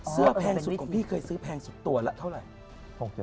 แพงสุดของพี่เคยซื้อแพงสุดตัวละเท่าไหร่